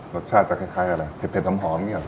รสชาติจะคล้ายอะไรเผ็ดหอมอย่างนี้หรอ